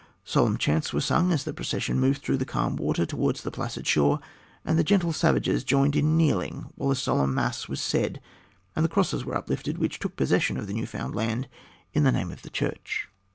Solemn chants were sung as the procession moved through the calm water towards the placid shore, and the gentle savages joined in kneeling while a solemn mass was said, and the crosses were uplifted which took possession of the new found land in the name of the Church.